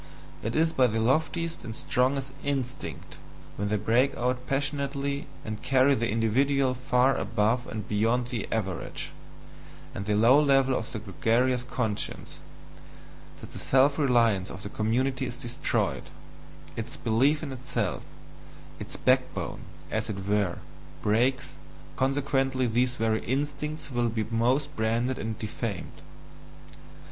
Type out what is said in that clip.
It is by the loftiest and strongest instincts, when they break out passionately and carry the individual far above and beyond the average, and the low level of the gregarious conscience, that the self reliance of the community is destroyed, its belief in itself, its backbone, as it were, breaks, consequently these very instincts will be most branded and defamed.